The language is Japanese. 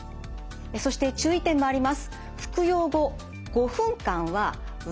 そして注意点もあります。